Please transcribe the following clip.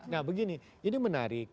nah begini ini menarik